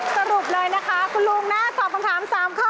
สรุปเลยนะคะคุณลุงน่าตอบคำถาม๓ข้อ